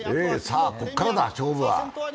さあ、ここからだ、勝負は。